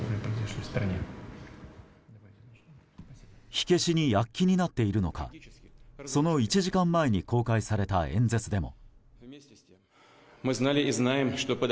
火消しに躍起になっているのかその１時間前に公開された演説でも。